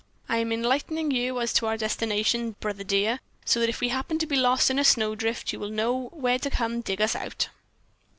I am enlightening you as to our destination, Brother dear, so that if we happen to be lost in a snow drift, you will know where to come to dig us out."